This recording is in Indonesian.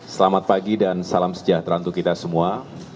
selamat pagi dan salam sejahtera untuk kita semua